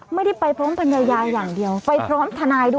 ไม่ได้ไปพร้อมภรรยาอย่างเดียวไปพร้อมทนายด้วย